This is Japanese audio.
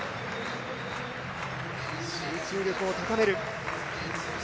集中力を高める。